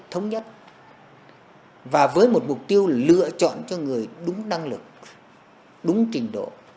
thống nhất và với một mục tiêu lựa chọn cho người đúng năng lực đúng trình độ